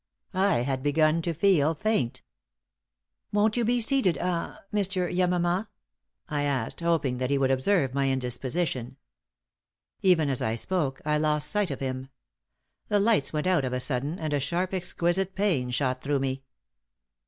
I had begun to feel faint. "Won't you be seated ah Mr. Yamama?" I asked, hoping that he would observe my indisposition. Even as I spoke, I lost sight of him. The lights went out of a sudden, and a sharp, exquisite pain shot through me.